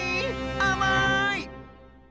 あまい！